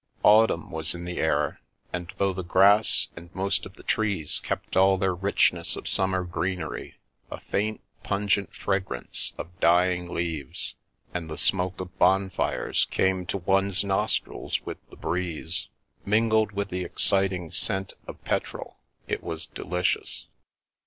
Autumn was in the air, and though the grass and most of tlie trees kept all their richness of summer greenery^ a faint, pungent fragrance of dying leaves and the smoke of bonfires came to one's nostrils with 346 The Princess Passes the breeze. Mingled with the exciting scent of petrol, it was delicious.